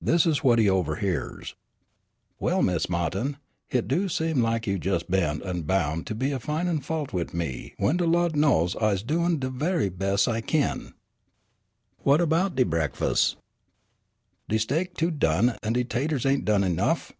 This is what he overhears: "Well, Mis' Ma'tin, hit do seem lak you jes' bent an' boun' to be a fin'in' fault wid me w'en de Lawd knows I's doin' de ve'y bes' I kin. What 'bout de brekfus'? De steak too done an' de 'taters ain't done enough!